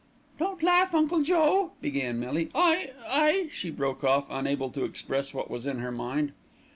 "Don't laugh, Uncle Joe," began Millie, "I I " She broke off, unable to express what was in her mind.